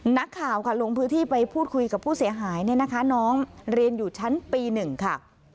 นักข่าวค่ะลงพื้นที่ไปพูดคุยกับผู้เสียหายเนี่ยนะคะน้องเรียนอยู่ชั้นปี๑ค่ะ